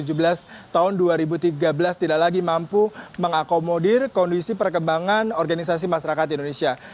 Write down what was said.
dan kemudian perbincangan ini menunjukkan bahwa perbincangan ini tidak lagi mampu mengakomodir kondisi perkembangan organisasi masyarakat di indonesia